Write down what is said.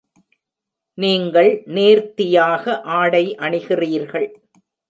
நீங்கள் நேர்த்தியாக ஆடை அணிகிறீர்கள்!